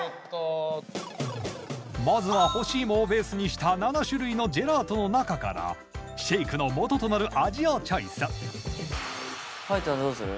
まずは干し芋をベースにした７種類のジェラートの中からシェイクのもととなる味をチョイス海人はどうする？